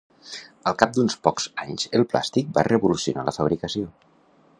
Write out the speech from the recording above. Al cap d'uns pocs anys el plàstic va revolucionar la fabricació.